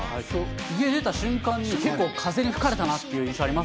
家出た瞬間に結構風に吹かれたなっていう印象あります。